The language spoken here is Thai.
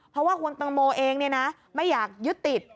เพราะว่าคุณตังโมเองไม่อยากยึดติด